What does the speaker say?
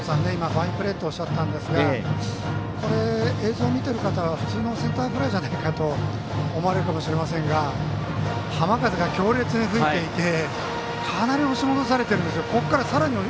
ファインプレーとおっしゃったんですが映像を見ている方は、普通のセンターフライじゃないかと思われるかもしれませんが浜風が強烈に吹いていてかなり押し戻されているんですよ。